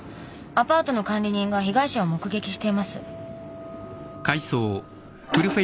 アパートの管理人が被害者を目撃しています。